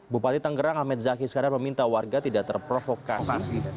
bupati tangerang ahmed zaki iskandar meminta warga tidak terprovokasi